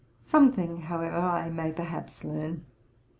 Something however I may perhaps learn.